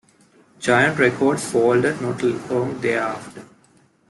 Giant Records folded not long thereafter.